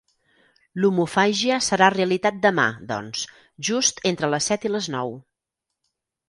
L'omofàgia serà realitat demà, doncs, just entre les set i les nou.